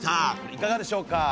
いかがでしょうか？